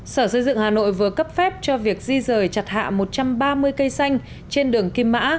sở xây dựng hà nội vừa cấp phép cho việc di rời chặt hạ một trăm ba mươi cây xanh trên đường kim mã